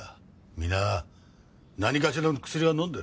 皆何かしらの薬を飲んでる。